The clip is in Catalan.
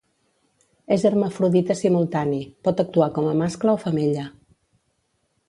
És hermafrodita simultani: pot actuar com a mascle o femella.